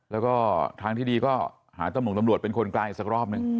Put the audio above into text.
แล้วก็ทางที่ดีก็หาต้มหลุงตำรวจเป็นคนกลายอีกซักรอบนึง